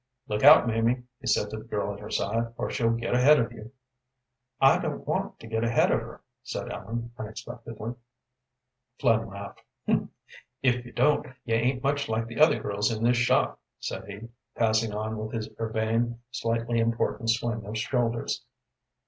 "Look out, Mamie," he said to the girl at her side, "or she'll get ahead of you." "I don't want to get ahead of her," said Ellen, unexpectedly. Flynn laughed. "If you don't, you ain't much like the other girls in this shop," said he, passing on with his urbane, slightly important swing of shoulders.